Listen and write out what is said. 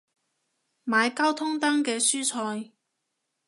買交通燈嘅蔬菜